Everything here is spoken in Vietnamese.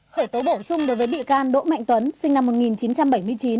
khởi tố bổ sung đối với bị can đỗ mạnh tuấn sinh năm một nghìn chín trăm bảy mươi chín